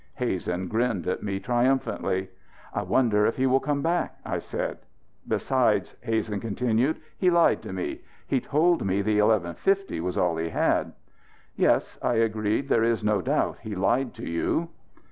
Hazen grinned at me triumphantly. "I wonder if he will come back," I said. "Besides," Hazen continued, "he lied to me. He told me the eleven fifty was all he had." "Yes," I agreed. "There is no doubt he lied to you."